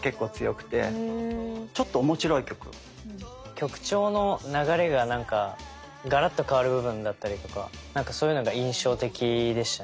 曲調の流れがなんかガラッと変わる部分だったりとかなんかそういうのが印象的でしたね。